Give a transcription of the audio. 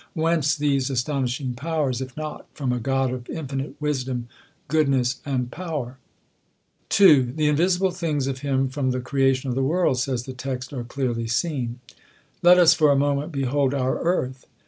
Whence these astonishing powers, if not from a God of infinite wisdom, goodness, and power ? 2. " The invisible things of him from the creation of the world," says the text, " are clearly seen.'* Let us for a moment behold our earth.